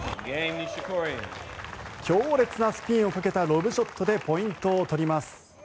強烈なスピンをかけたロブショットでポイントを取ります。